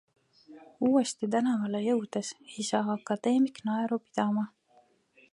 Uuesti tänavale jõudes ei saa akadeemik naeru pidama.